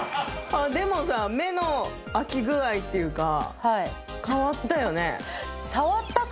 でもさ目の開き具合っていうか変わったよね。